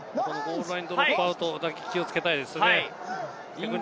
ゴールラインのドロップアウトだけ気をつけたいですね。